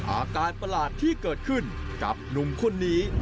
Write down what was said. อาการประหลาดที่เกิดขึ้นจากนุ่มคนนี้